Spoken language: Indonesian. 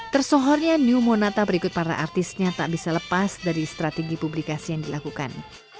tersohornya new monata berikut para artisnya tak bisa lepas dari strategi publikasi yang dilakukan